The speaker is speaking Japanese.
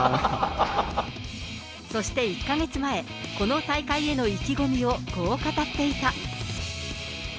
そして１か月前、この大会への意気込みを、こう語っていた。